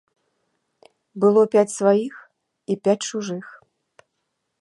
Было пяць сваіх і пяць чужых.